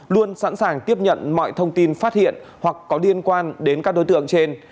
luôn sẵn sàng tiếp nhận mọi thông tin phát hiện hoặc có liên quan đến các đối tượng trên